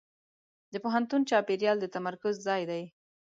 د پوهنتون چاپېریال د تمرکز ځای دی.